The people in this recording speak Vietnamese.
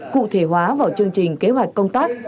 cụ thể hóa vào chương trình kế hoạch công tác